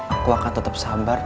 aku akan tetep sabar